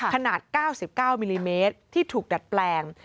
ขนาด๙๙มิลลิเมตรที่ถูกดัดแปลง